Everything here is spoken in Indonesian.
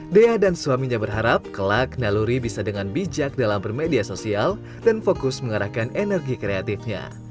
dea dan suaminya berharap kelak naluri bisa dengan bijak dalam bermedia sosial dan fokus mengarahkan energi kreatifnya